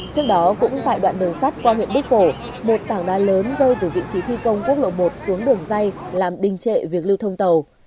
trước đó cũng tại đoạn đường sắt qua huyện đức phổ một tảng đá lớn rơi từ vị trí thi công quốc lộ một xuống đường dây làm đình trệ việc lưu thông tàu